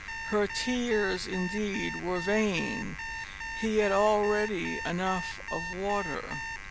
Her tears indeed were vain; he had already enough of water.